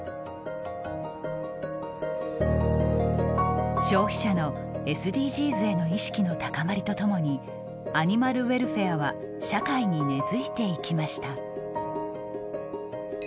９年前から消費者のＳＤＧｓへの意識の高まりとともにアニマルウェルフェアは社会に根づいていきました。